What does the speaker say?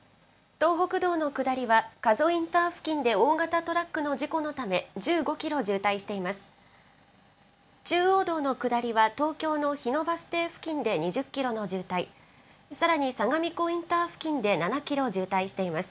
東北道の下りは加須インター付近で大型トラックの事故のため、１５キロ渋滞しています。